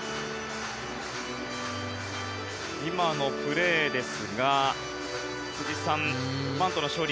今のプレーですが辻さん、バントの処理。